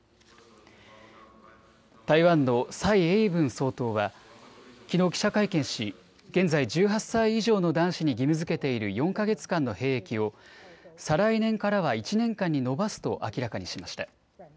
台湾の蔡英文総統はきのう記者会見し現在１８歳以上の男子に義務づけている４か月間の兵役を再来年からは１年間に延ばすと明らかにしました。